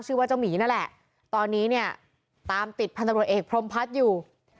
เมื่อกี้เอาหัวไถขาดู